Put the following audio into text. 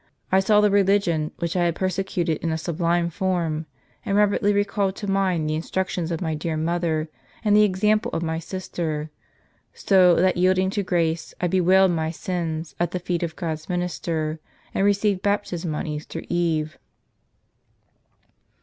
I saw the religion which I had persecuted in a sublime form ; and rapidly recalled to mind the instructions of my dear mother, and the example of my sister; so that yielding to grace, I bewailed my sins at the feet of God's minister, f and received baptism on Easter eve."